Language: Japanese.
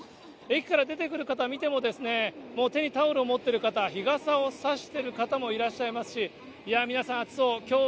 駅から出てくる方、見ても、もう手にタオルを持っている方、日傘を差してる方もいらっしゃいますし、いや、皆さん暑そう。